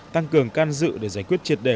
tăng cường can dự để giải quyết triệt đề